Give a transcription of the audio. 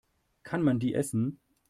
Kann man die essen?